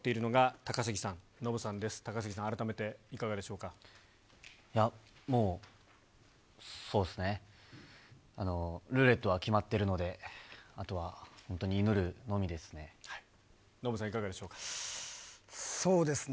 高杉さいや、もうそうですね、ルーレットは決まっているので、あとは本当に祈るのみですね。